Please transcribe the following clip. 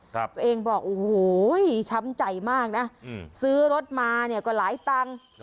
ตัวเองบอกโอ้โหช้ำใจมากนะซื้อรถมาเนี่ยก็หลายตังค์